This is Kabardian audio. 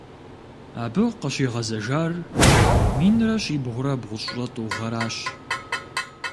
Абы къыщигъэзэжар минрэ щибгъурэ бгъущӀрэ тӀу гъэращ.